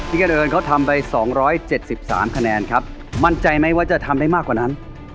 พี่เอิญเอิญเขาทำไปสองร้อยเจ็ดสิบสามคะแนนครับมั่นใจไหมว่าจะทำได้มากกว่านั้น